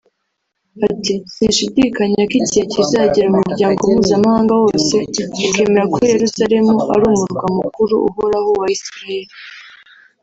Ati “Sinshidikanya ko igihe kizagera Umuryango Mpuzamahanga wose ukemera ko Yeruzalemu ari Umurwa Mukuru uhoraho wa Isiraheli